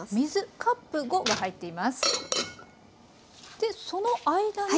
でその間に。